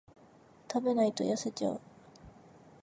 食べないと痩せちゃう